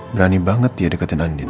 berani banget dia deketin andin